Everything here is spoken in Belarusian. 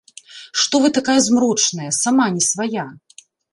Што вы такая змрочная, сама не свая?